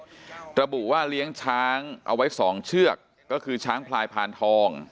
เกิดเหตุระบุว่าเลี้ยงช้างเอาไว้๒เชือกก็คือช้างพลายพานธอง